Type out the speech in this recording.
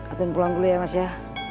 atun pulang dulu ya mas ya